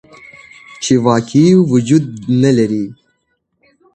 چې واقعي وجود نه لري.